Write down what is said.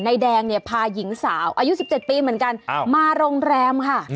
แดงเนี่ยพาหญิงสาวอายุ๑๗ปีเหมือนกันมาโรงแรมค่ะ